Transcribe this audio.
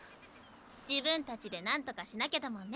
自分たちで何とかしなきゃだもんね。